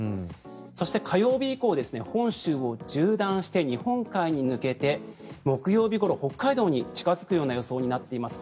そして火曜日以降本州を縦断して、日本海に抜けて木曜日ごろ北海道に近付くような予想になっています。